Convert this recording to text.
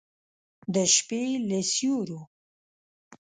د شپې له سیورو